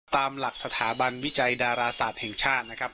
ตามหลักสถาบันวิจัยดาราศาสตร์แห่งชาตินะครับ